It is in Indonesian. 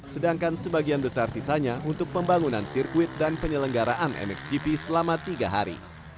sedangkan sebagian besar sisanya untuk pembangunan sirkuit dan penyelenggaraan mxgp selama tiga hari